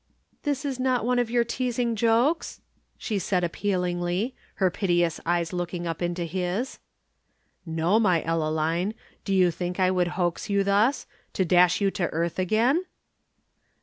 "This is not one of your teasing jokes?" she said appealingly, her piteous eyes looking up into his. "No, my Ellaline. Do you think I would hoax you thus to dash you to earth again?"